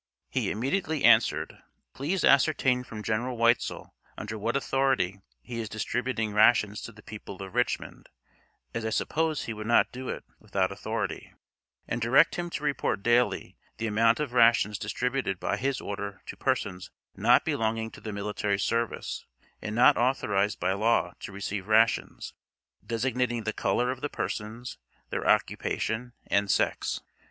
He immediately answered: "Please ascertain from General Weitzel under what authority he is distributing rations to the people of Richmond, as I suppose he would not do it without authority; and direct him to report daily the amount of rations distributed by his order to persons not belonging to the military service, and not authorized by law to receive rations, designating the color of the persons, their occupation, and sex."